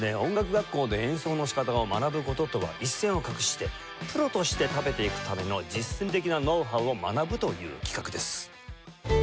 学校で演奏の仕方を学ぶ事とは一線を画してプロとして食べていくための実践的なノウハウを学ぶという企画です。